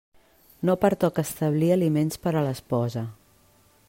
No pertoca establir aliments per a l'esposa.